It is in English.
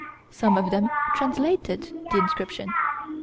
Some of them translated the inscription.